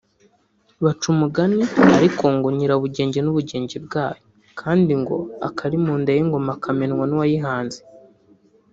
baca umugani ariko ngo nyirabugenge n’ubugenge bwayo kandi ngo akari mu nda y’ingoma kamenywa n’uwayihanze